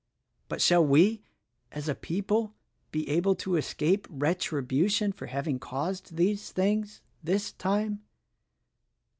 But shall we, as a people be able to escape retribution for having caused these things— this time?"